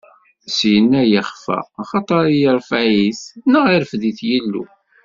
Syenna yexfa, axaṭer iṛfedɛ-it neɣ irfed-it Yillu.